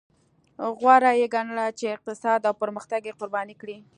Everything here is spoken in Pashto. غوره یې ګڼله چې اقتصاد او پرمختګ یې قرباني کړي.